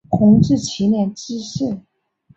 弘治七年致仕。